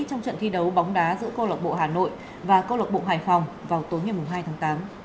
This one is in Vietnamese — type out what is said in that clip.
trong trận thi đấu bóng đá giữa công lộc bộ hà nội và công lộc bộ hải phòng vào tối hai tháng tám